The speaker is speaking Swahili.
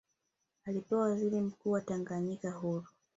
Alipewa uwaziri mkuu wa Tanganyika huru